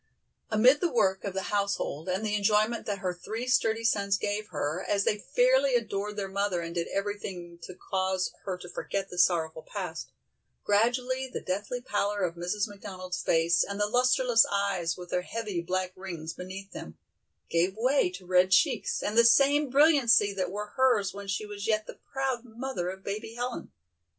Amid the work of the household and the enjoyment that her three sturdy sons gave her, as they fairly adored their mother and did everything to cause her to forget the sorrowful past, gradually the deathly pallor of Mrs. McDonald's face and the lusterless eyes with their heavy black rings beneath them, gave way to red cheeks and the same brilliancy that were hers when she was yet the proud mother of baby Helen.